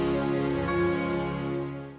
assalamu'alaikum warahmatullahi wabarakatuh